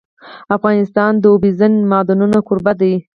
افغانستان د اوبزین معدنونه کوربه دی.